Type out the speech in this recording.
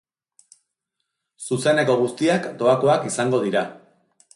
Zuzeneko guztiak doakoak izango dira.